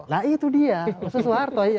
nah itu dia musuh suharto